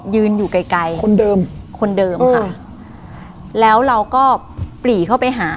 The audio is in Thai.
อยู่ไกลไกลคนเดิมคนเดิมค่ะแล้วเราก็ปรีเข้าไปหา